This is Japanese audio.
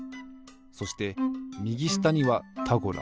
そしてみぎしたには「タゴラ」。